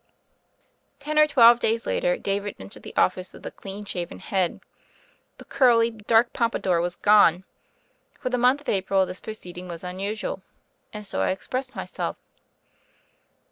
Ten or twelve days later David entered the ofSce with a clean shaven head; the beautiful, curly, dark pompadour was gone. For the month of April this proceeding was unusual, and so I expressed myself.